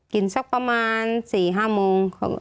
สักประมาณ๔๕โมง